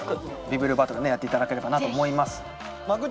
ビブリオバトルやっていただければなと思います。